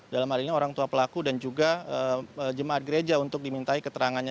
dalam hal ini orang tua pelaku dan juga jemaat gereja untuk dimintai keterangannya